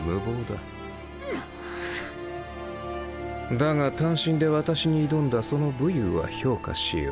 だが単身で私に挑んだその武勇は評価しよう。